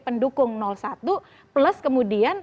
pendukung satu plus kemudian